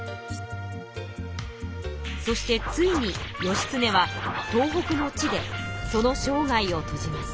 そしてついに義経は東北の地でそのしょうがいをとじます。